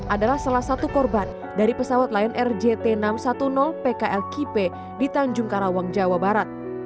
adalah salah satu korban dari pesawat lion air jt enam ratus sepuluh pklkp di tanjung karawang jawa barat